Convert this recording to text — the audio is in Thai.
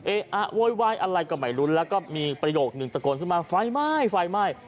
เอ๊ะอ่ะโวยวายอะไรก็ไม่รู้แล้วก็มีประโยคนึงตะโกนขึ้นมาไฟไหม้ไฟไหม้